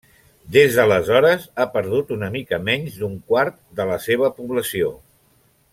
Des d'aleshores, ha perdut una mica menys d'un quart de la seva població.